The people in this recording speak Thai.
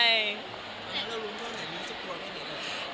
แล้วรู้๑๙๗๔กว่าไหม